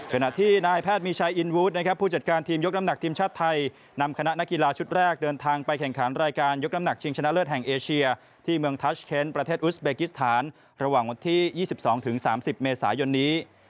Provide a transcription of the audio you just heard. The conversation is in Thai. ขณะที่นายแพทย์มีชายอินวูดนะครับผู้จัดการทีมยกน้ำหนักทีมชาติไทยนำคณะนักกีฬาชุดแรกเดินทางไปแข่งขันรายการยกน้ำหนักชิงชนะเลิศแห่งเอเชียที่เมืองทัชเคนประเทศอุสเบกิสถานระหว่างวันที่๒๒๓๐เมษายนนี้